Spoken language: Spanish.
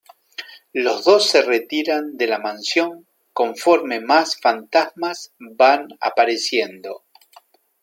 Los dos se retiran de la mansión conforme más fantasmas van apareciendo.